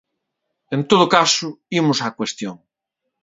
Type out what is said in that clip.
En todo caso, imos á cuestión.